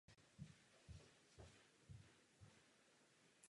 Obchodování je v České republice povoleno pouze s některými druhy.